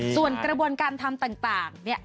ส่วนกระบวนการทำต่าง